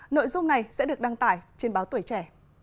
nội dung này sẽ được đăng tải trên báo tuổi trẻ